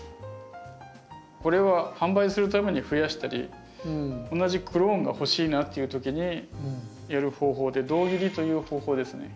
これは販売するためにふやしたり同じクローンが欲しいなっていう時にやる方法で「胴切り」という方法ですね。